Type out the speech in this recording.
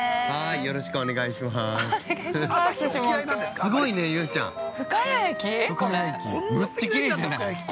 ◆よろしくお願いします。